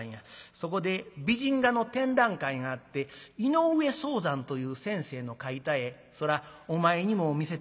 そこで美人画の展覧会があって井上素山という先生の描いた絵そらお前にも見せてやりたかった。